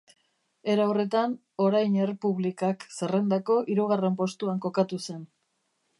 Era horretan, Orain Errepublikak zerrendako hirugarren postuan kokatu zen.